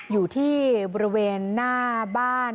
อยู่ที่บริเวณหน้าบ้าน